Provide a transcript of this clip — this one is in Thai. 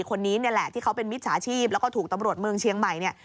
คนนี้นี่แหละที่เขาเป็นมิจฉาชีพแล้วก็ถูกตำรวจเมืองเชียงใหม่เนี่ย